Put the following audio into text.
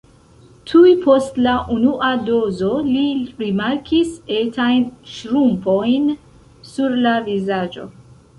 Tuj post la unua dozo li rimarkis etajn ŝrumpojn sur la vizaĝo.